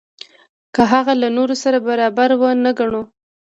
که هغه له نورو سره برابر ونه ګڼو.